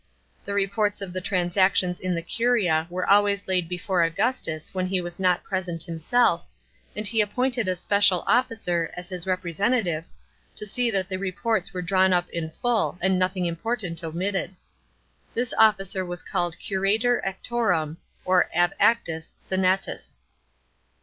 The reports of the transactions in the curia were always laid before Augustus when he was not present himself, and he appointed a special officer, as h'S representative, to see that the reports were drawn up in full and nothing important omitted. This officer was called curator actorum (or ab actis) Senal us.